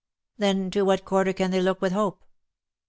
Then to what quarter can they look with hope